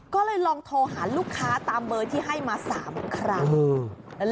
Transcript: ก็เลยลองโทรหาลูกค้าตามเบอร์ที่ให้มา๓ครั้ง